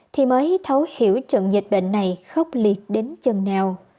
thì mới thấu hiểu trận dịch bệnh này khốc liệt đến chừng nào